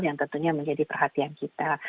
yang tentunya menjadi perhatian kita